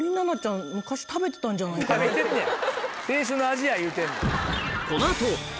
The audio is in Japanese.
食べてんねん。